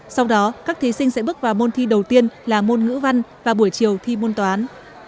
sau đó các thí sinh sẽ bước vào môn thi đầu tiên là môn ngữ văn và buổi chiều thi môn toán